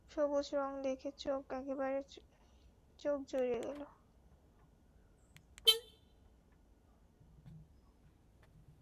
সবুজ রং দেখে চোখ একেবারে চোখ জুড়িয়ে গেলো।